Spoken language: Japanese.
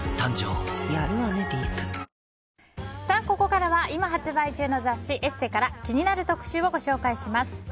ここからは今発売中の雑誌「ＥＳＳＥ」から気になる特集をご紹介します。